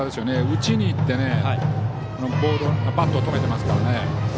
打ちに行ってバットを止めていますからね。